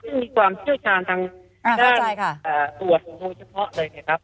ที่มีความเพื่อชาญทางอดด้านตรวจของโจมตีเฉพาะเลยเนี่ยครับ